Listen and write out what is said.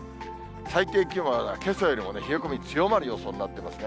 最低気温はけさよりも冷え込み強まる予想になってますね。